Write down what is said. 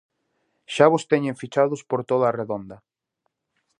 Xa vos teñen fichados por toda a redonda?